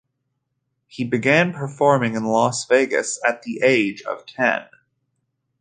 He began performing in Las Vegas at the age of ten.